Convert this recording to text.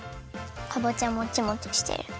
かぼちゃもちもちしてる。